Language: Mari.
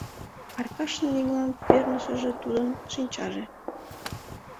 Аркашын еҥлан пернышыже — тудын шинчаже.